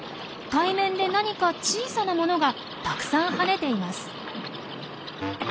海面で何か小さなものがたくさん跳ねています。